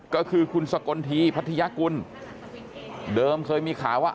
ก็คือคุณสกลทีพัทยากุลเดิมเคยมีข่าวว่า